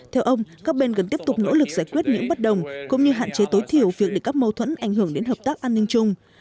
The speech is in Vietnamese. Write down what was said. theo ông các bên cần tiếp tục nỗ lực giải quyết những bất đồng cũng như hạn chế tối thiểu việc để các mâu thuẫn ảnh hưởng đến hợp tác an ninh chung